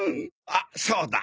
あっそうだ！